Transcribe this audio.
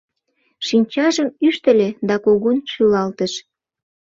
Шинчажым ӱштыльӧ да кугун шӱлалтыш.